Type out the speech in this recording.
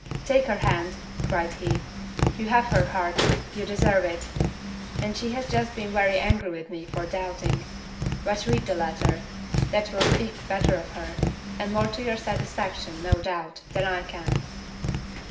"Take her hand," cried he; "you have her heart you deserve it; and she has just been very angry with me for doubting. But read her letter, that will speak better for her, and more to your satisfaction, no doubt, than I can."